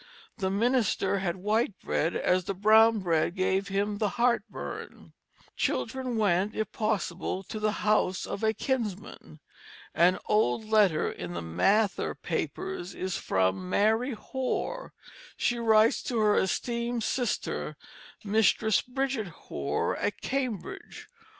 The minister had white bread as the brown bread gave him the heart burn. Children went, if possible, to the house of a kinsman. An old letter in the Mather Papers is from Mary Hoar. She writes "To her Esteemed Sister, Mistris Bridget Hoar at Cambridge."